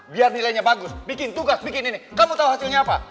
biar nilainya bagus bikin tugas bikin ini kamu tahu hasilnya apa